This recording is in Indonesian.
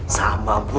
orang di rumah kamu